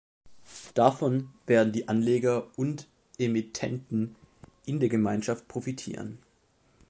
Davon werden die Anleger und Emittenten in der Gemeinschaft profitieren.